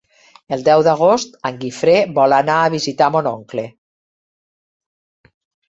El deu d'agost en Guifré vol anar a visitar mon oncle.